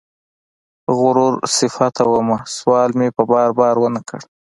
غرور صفته ومه سوال مې په بار، بار ونه کړ